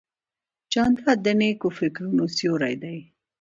جانداد د نیکو فکرونو سیوری دی.